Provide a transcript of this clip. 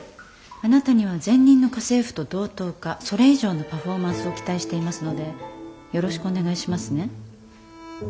あなたには前任の家政婦と同等かそれ以上のパフォーマンスを期待していますのでよろしくお願いしますね。